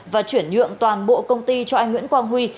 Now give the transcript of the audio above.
và chuyển nhượng toàn bộ công ty cho anh nguyễn quang huy